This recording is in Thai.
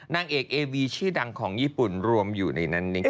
นางเอกเอวีชื่อดังของญี่ปุ่นรวมอยู่ในนั้น